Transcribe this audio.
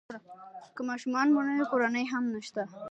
که ماشومان مو نه وي کورنۍ هم نشته.